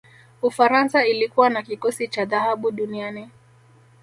ufaransa ilikuwa na kikosi cha dhahabu duniani